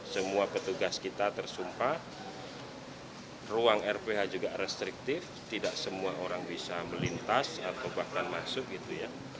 semua petugas kita tersumpah ruang rph juga restriktif tidak semua orang bisa melintas atau bahkan masuk gitu ya